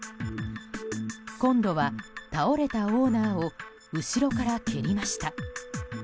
今度は倒れたオーナーを後ろから蹴りました。